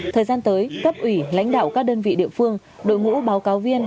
thời gian tới cấp ủy lãnh đạo các đơn vị địa phương đội ngũ báo cáo viên